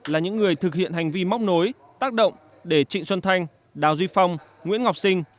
là những người thực hiện hành vi móc nối tác động để trịnh xuân thanh đào duy phong nguyễn ngọc sinh